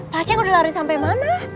pak aceh udah lari sampai mana